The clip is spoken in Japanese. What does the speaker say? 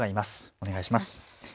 お願いします。